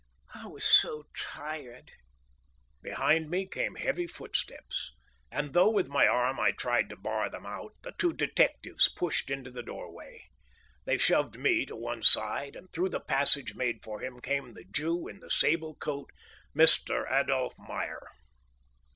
I was so tired!" Behind me came heavy footsteps, and though with my arm I tried to bar them out, the two detectives pushed into the doorway. They shoved me to one side and through the passage made for him came the Jew in the sable coat, Mr. Adolph Meyer.